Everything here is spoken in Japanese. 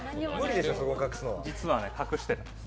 実は隠してるんです。